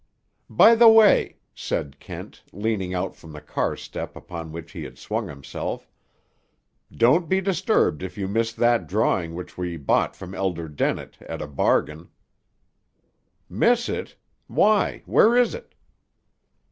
"By the way," said Kent, leaning out from the car step upon which he had swung himself, "don't be disturbed if you miss that drawing which we bought from Elder Dennett, at a bargain." "Miss it? Why, where is it?"